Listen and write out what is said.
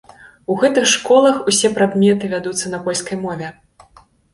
У гэтых школах усе прадметы вядуцца на польскай мове.